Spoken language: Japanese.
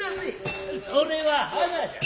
それは花じゃ。